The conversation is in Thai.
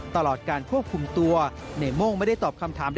ตลอดการควบคุมตัวในโม่งไม่ได้ตอบคำถาม